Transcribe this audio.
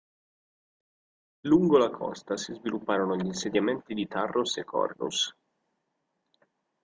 Lungo la costa si svilupparono gli insediamenti di Tharros e Cornus.